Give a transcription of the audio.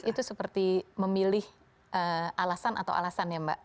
itu seperti memilih alasan atau alasan ya mbak